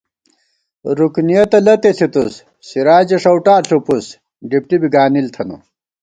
رُکنِیَتہ لَتےݪِتُوس سِراجے ݭَؤٹا ݪُپَوُس ڈِپٹی بی گانِل تھنہ